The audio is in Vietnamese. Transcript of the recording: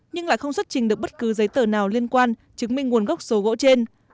nhưng lại không xuất trình được bất cứ giấy tờ nào liên quan chứng minh nguồn gốc số gỗ trên